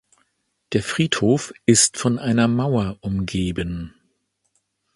Der Friedhof ist von einer Mauer umgeben.